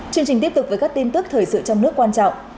chương trình tiếp tục với các tin tức thời sự trong nước quan trọng